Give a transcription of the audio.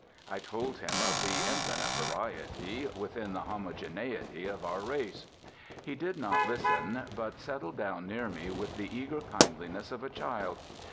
I told him of the infinite variety, within the homogeneity, of our race. He did not listen, but settled down near me with the eager kindliness of a child.